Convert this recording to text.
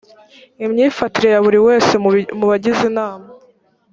imyifatire ya buri wese mu bagize inama